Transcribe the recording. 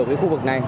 ở khu vực này